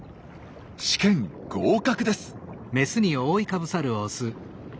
試験合格です。